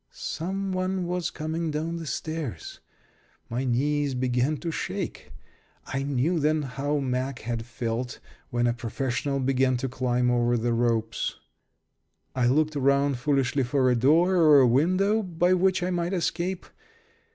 Some one was coming down the stairs. My knees began to shake. I knew then how Mack had felt when a professional began to climb over the ropes. I looked around foolishly for a door or a window by which I might escape.